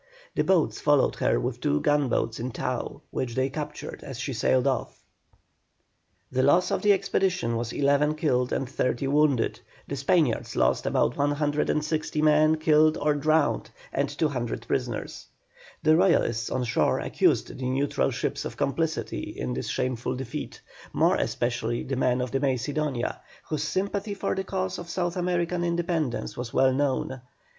The boats followed her with two gunboats in tow which they captured as she sailed off. The loss of the expedition was eleven killed and thirty wounded. The Spaniards lost about 160 men killed or drowned, and 200 prisoners. The Royalists on shore accused the neutral ships of complicity in this shameful defeat, more especially the men of the Macedonia, whose sympathy for the cause of South American Independence was well known.